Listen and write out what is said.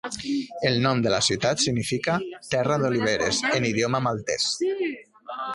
El nom de la ciutat significa 'terra d'oliveres' en idioma maltès.